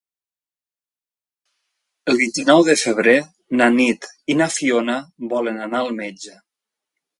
El vint-i-nou de febrer na Nit i na Fiona volen anar al metge.